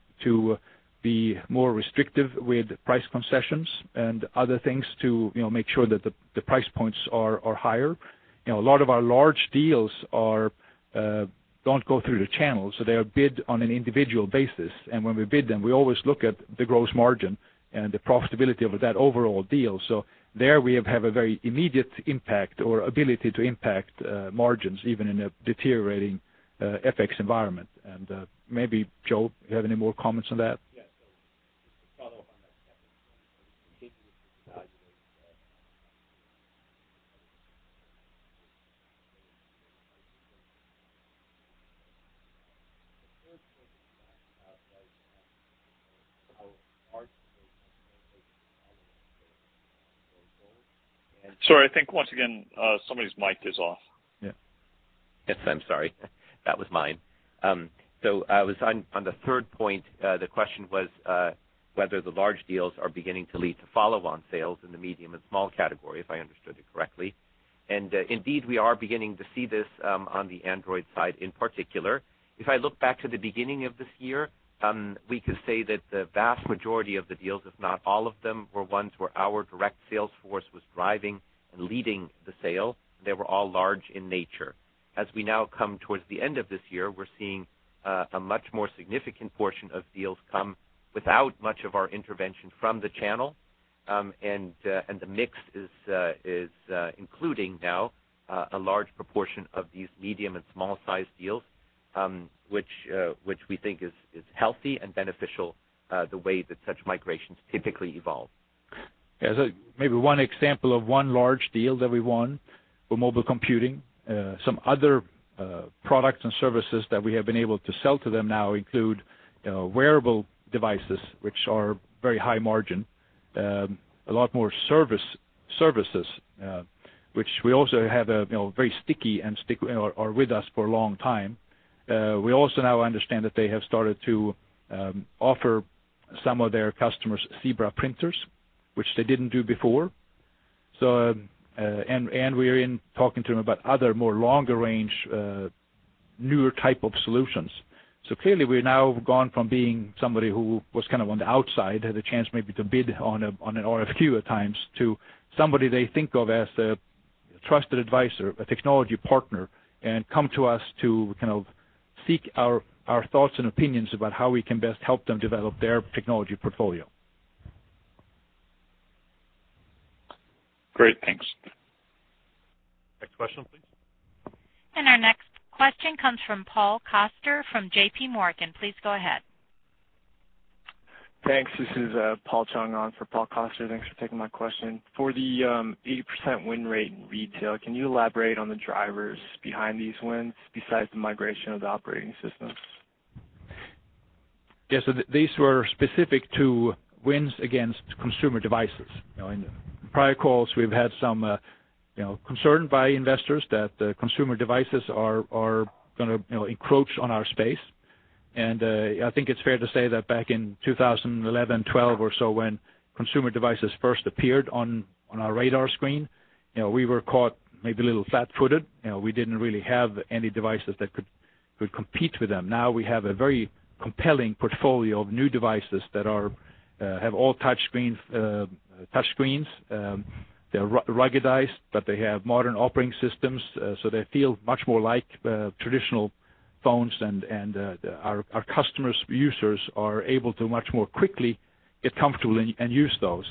be more restrictive with price concessions and other things to make sure that the price points are higher. A lot of our large deals don't go through the channel, so they are bid on an individual basis. When we bid them, we always look at the gross margin and the profitability of that overall deal. There we have a very immediate impact or ability to impact margins, even in a deteriorating FX environment. Maybe, Joe, you have any more comments on that? Yeah. Just to follow up on that, James. Sorry, I think once again, somebody's mic is off. Yes, I'm sorry. That was mine. On the third point, the question was whether the large deals are beginning to lead to follow-on sales in the medium and small category, if I understood it correctly. Indeed, we are beginning to see this on the Android side in particular. If I look back to the beginning of this year, we could say that the vast majority of the deals, if not all of them, were ones where our direct sales force was driving and leading the sale. They were all large in nature. As we now come towards the end of this year, we're seeing a much more significant portion of deals come without much of our intervention from the channel, and the mix is including now a large proportion of these medium and small-sized deals, which we think is healthy and beneficial the way that such migrations typically evolve. Yeah. Maybe one example of one large deal that we won for mobile computing. Some other products and services that we have been able to sell to them now include wearable devices, which are very high margin. A lot more services, which we also have a very sticky and are with us for a long time. We also now understand that they have started to offer some of their customers Zebra printers, which they didn't do before. We're in talking to them about other more longer range, newer type of solutions. Clearly, we're now gone from being somebody who was on the outside, had a chance maybe to bid on an RFQ at times, to somebody they think of as a trusted advisor, a technology partner, and come to us to seek our thoughts and opinions about how we can best help them develop their technology portfolio. Great. Thanks. Next question please. Our next question comes from Paul Coster from J.P. Morgan. Please go ahead. Thanks. This is Paul Chong on for Paul Coster. Thanks for taking my question. For the 80% win rate in retail, can you elaborate on the drivers behind these wins besides the migration of the operating systems? These were specific to wins against consumer devices. In prior calls, we've had some concern by investors that consumer devices are going to encroach on our space. I think it's fair to say that back in 2011, 2012 or so, when consumer devices first appeared on our radar screen, we were caught maybe a little flat-footed. We didn't really have any devices that could compete with them. Now we have a very compelling portfolio of new devices that have all touchscreens. They're ruggedized, but they have modern operating systems, so they feel much more like traditional phones, and our customers users are able to much more quickly get comfortable and use those.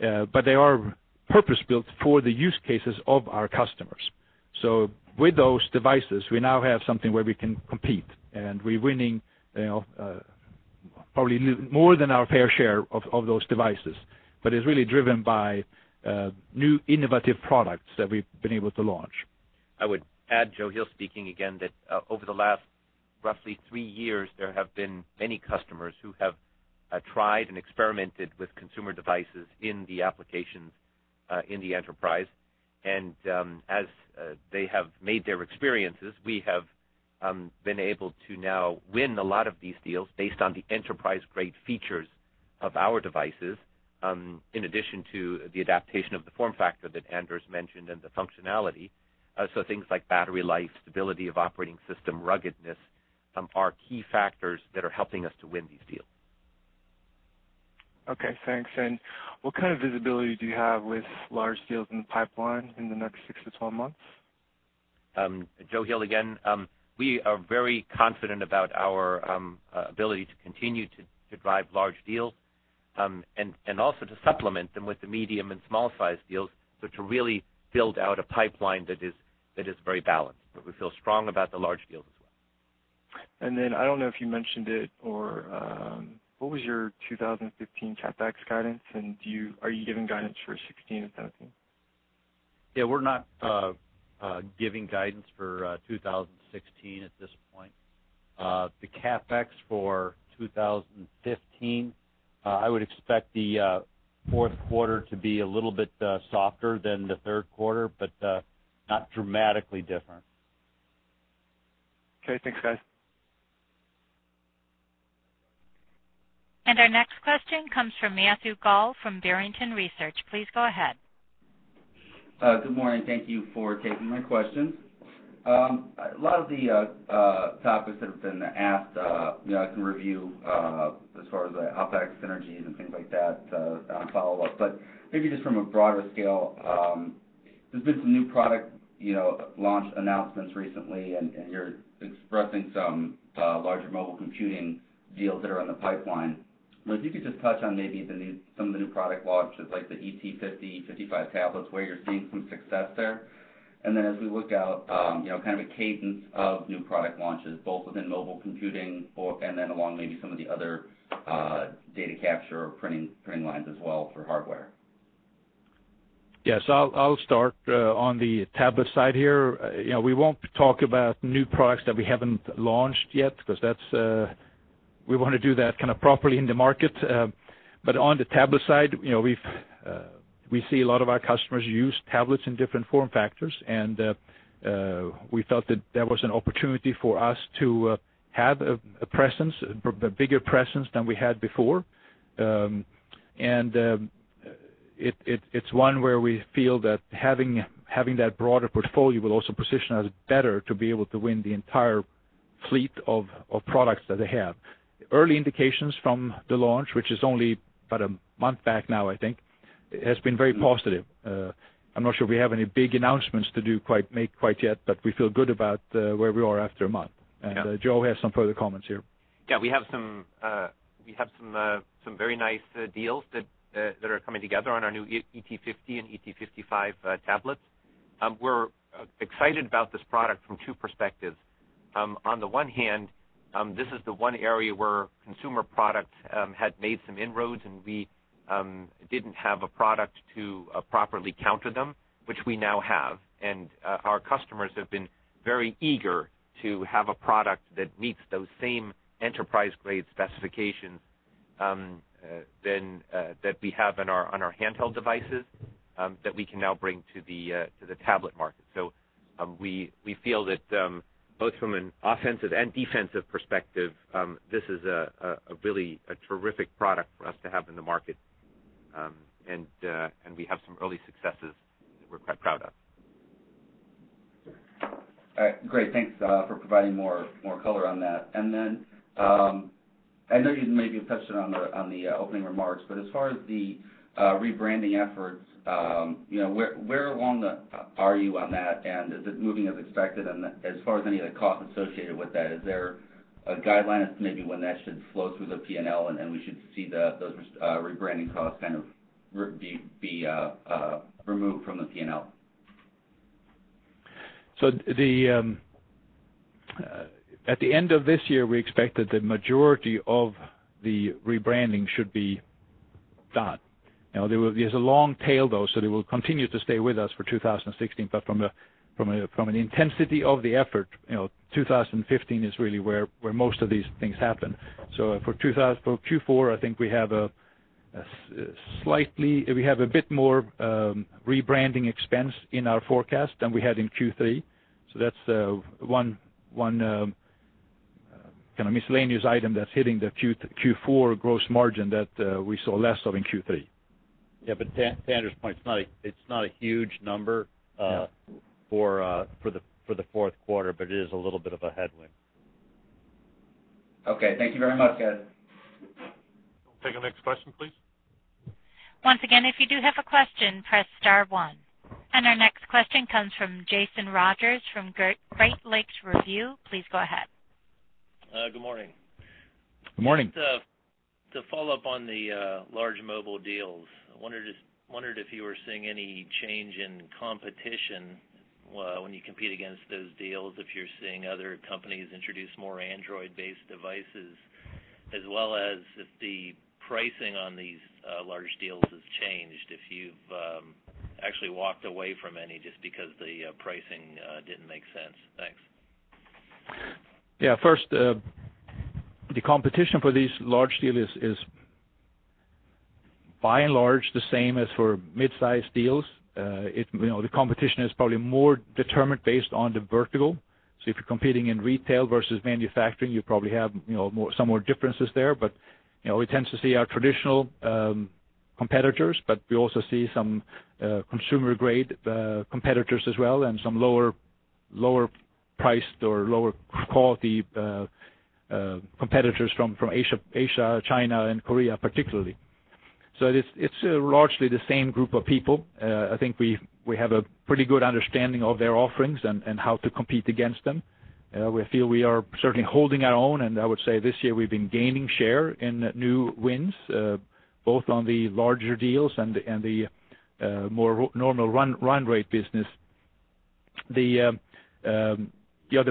They are purpose-built for the use cases of our customers. With those devices, we now have something where we can compete, and we're winning probably more than our fair share of those devices. It's really driven by new innovative products that we've been able to launch. I would add, Joachim Heel speaking again, that over the last roughly three years, there have been many customers who have tried and experimented with consumer devices in the applications, in the enterprise. As they have made their experiences, we have been able to now win a lot of these deals based on the enterprise-grade features of our devices, in addition to the adaptation of the form factor that Anders mentioned and the functionality. Things like battery life, stability of operating system, ruggedness, are key factors that are helping us to win these deals. Okay, thanks. What kind of visibility do you have with large deals in the pipeline in the next six to 12 months? Joachim Heel again. We are very confident about our ability to continue to drive large deals, and also to supplement them with the medium and small-sized deals, so to really build out a pipeline that is very balanced. We feel strong about the large deals as well. I don't know if you mentioned it or, what was your 2015 CapEx guidance, and are you giving guidance for 2016 at that time? Yeah, we're not giving guidance for 2016 at this point. The CapEx for 2015, I would expect the fourth quarter to be a little bit softer than the third quarter, but not dramatically different. Okay, thanks, guys. Our next question comes from Matthew Gall from Barrington Research. Please go ahead. Good morning. Thank you for taking my questions. A lot of the topics that have been asked, I can review, as far as the OpEx synergies and things like that, follow up. Maybe just from a broader scale, there's been some new product launch announcements recently, and you're expressing some larger mobile computing deals that are in the pipeline. If you could just touch on maybe some of the new product launches, like the ET50, ET55 tablets, where you're seeing some success there. Then as we look out, kind of a cadence of new product launches, both within mobile computing, and then along maybe some of the other data capture printing lines as well for hardware. Yes, I'll start on the tablet side here. We won't talk about new products that we haven't launched yet because we want to do that properly in the market. On the tablet side, we see a lot of our customers use tablets in different form factors. We felt that there was an opportunity for us to have a bigger presence than we had before. It's one where we feel that having that broader portfolio will also position us better to be able to win the entire fleet of products that they have. Early indications from the launch, which is only about a month back now, I think, has been very positive. I'm not sure we have any big announcements to make quite yet, but we feel good about where we are after a month. Yeah. Joe has some further comments here. Yeah, we have some very nice deals that are coming together on our new ET50 and ET55 tablets. We're excited about this product from two perspectives. On the one hand, this is the one area where consumer products had made some inroads, and we didn't have a product to properly counter them, which we now have. Our customers have been very eager to have a product that meets those same enterprise-grade specifications that we have on our handheld devices, that we can now bring to the tablet market. We feel that, both from an offensive and defensive perspective, this is really a terrific product for us to have in the market. We have some early successes that we're quite proud of. All right. Great. Thanks for providing more color on that. Then, I know you maybe touched on the opening remarks, but as far as the rebranding efforts, where along are you on that? Is it moving as expected? As far as any of the costs associated with that, is there a guideline as to maybe when that should flow through the P&L, and we should see those rebranding costs be removed from the P&L? At the end of this year, we expect that the majority of the rebranding should be done. There's a long tail, though, so they will continue to stay with us for 2016. From an intensity of the effort, 2015 is really where most of these things happen. For Q4, I think we have a bit more rebranding expense in our forecast than we had in Q3. That's one kind of miscellaneous item that's hitting the Q4 gross margin that we saw less of in Q3. Yeah, to Anders' point, it's not a huge number. Yeah for the fourth quarter, it is a little bit of a headwind. Okay. Thank you very much, guys. We'll take the next question, please. Once again, if you do have a question, press *1. Our next question comes from Jason Rodgers from Great Lakes Review. Please go ahead. Good morning. Good morning. Just to follow up on the large mobile deals, I wondered if you were seeing any change in competition when you compete against those deals, if you're seeing other companies introduce more Android-based devices. As well as if the pricing on these large deals has changed, if you've actually walked away from any just because the pricing didn't make sense. Thanks. Yeah, first, the competition for these large deals is, by and large, the same as for mid-size deals. The competition is probably more determined based on the vertical. If you're competing in retail versus manufacturing, you probably have some more differences there. We tend to see our traditional competitors, but we also see some consumer-grade competitors as well, and some lower priced or lower quality competitors from Asia, China, and Korea particularly. It's largely the same group of people. I think we have a pretty good understanding of their offerings and how to compete against them. We feel we are certainly holding our own, and I would say this year we've been gaining share in new wins, both on the larger deals and the more normal run rate business. The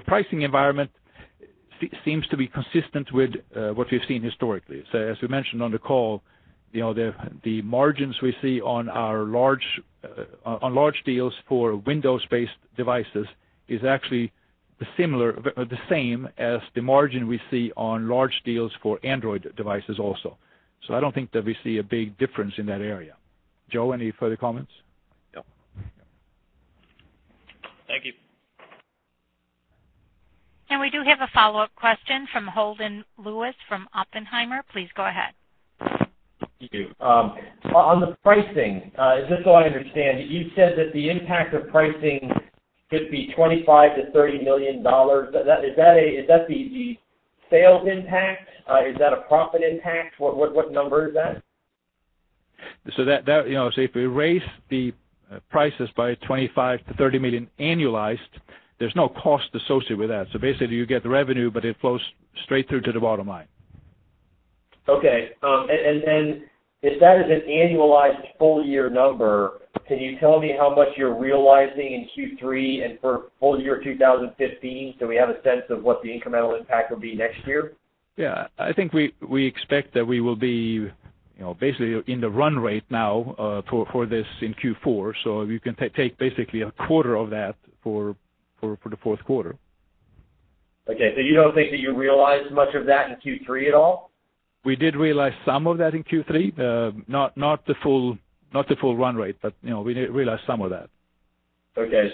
pricing environment seems to be consistent with what we've seen historically. As we mentioned on the call, the margins we see on large deals for Windows-based devices is actually the same as the margin we see on large deals for Android devices also. I don't think that we see a big difference in that area. Joe, any further comments? No. Thank you. We do have a follow-up question from Holden Lewis from Oppenheimer. Please go ahead. Thank you. On the pricing, just so I understand, you said that the impact of pricing could be $25 million-$30 million. Is that the sales impact? Is that a profit impact? What number is that? If we raise the prices by $25 million-$30 million annualized, there's no cost associated with that. Basically, you get the revenue, but it flows straight through to the bottom line. Okay. If that is an annualized full-year number, can you tell me how much you're realizing in Q3 and for full year 2015, so we have a sense of what the incremental impact will be next year? Yeah. I think we expect that we will be basically in the run rate now for this in Q4. You can take basically a quarter of that for the fourth quarter. Okay. You don't think that you realized much of that in Q3 at all? We did realize some of that in Q3. Not the full run rate, but we realized some of that. Okay,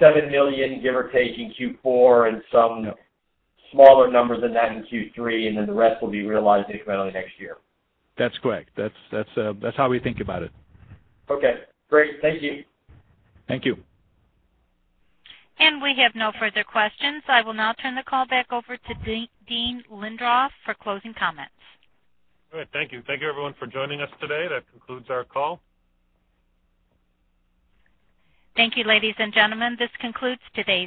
$7 million, give or take, in Q4 and some smaller number than that in Q3, and then the rest will be realized incrementally next year. That's correct. That's how we think about it. Okay, great. Thank you. Thank you. We have no further questions. I will now turn the call back over to Dean Lindroth for closing comments. All right. Thank you. Thank you everyone for joining us today. That concludes our call. Thank you, ladies and gentlemen. This concludes today's call.